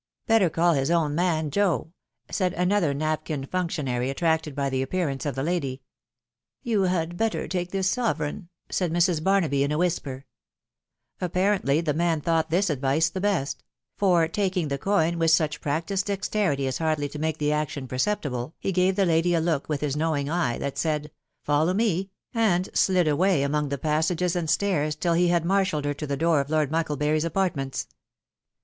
" Better call his own man, Joe," said another napkin functionary, attracted by the appearance of the lady. " You had better take this sovereign," said Mrs. Barnaby a whisper. ' th Ap?aTently tne man thought this advice the best ; for taki e coin with such practised dexterity as hardly to make t actwn perceptible, he gave the lady a look with his knowi Paial Said' " Follow me/' and did awav amo £°rd M ? StairS ^ he had marshalled her to the door doubtful UC^lelm^y,8 apartments.